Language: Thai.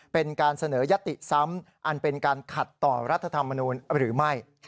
เป็นการเสนอยติซ้ำอันเป็นการขัดต่อรัฐธรรมนูลหรือไม่